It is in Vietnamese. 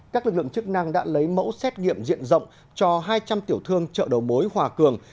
các lực lượng chức năng đã lấy mẫu xét nghiệm diện rộng cho hai trăm linh tiểu thương chợ đầu mối hòa cường